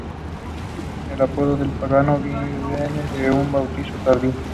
El apodo de "Pagano" viene de un bautismo tardío.